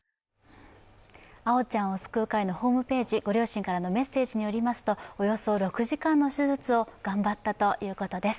あおちゃんを救う会のホームページ、両親からはおよそ６時間の手術を頑張ったということです。